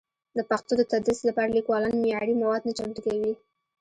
د پښتو د تدریس لپاره لیکوالان معیاري مواد نه چمتو کوي.